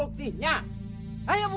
udah ya nggak apa apa